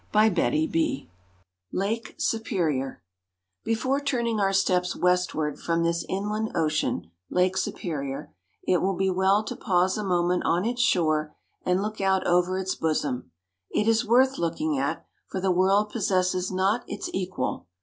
Gladstone LAKE SUPERIOR Before turning our steps westward from this inland ocean, Lake Superior, it will be well to pause a moment on its shore and look out over its bosom. It is worth looking at, for the world possesses not its equal.